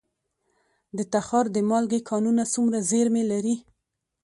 د تخار د مالګې کانونه څومره زیرمې لري؟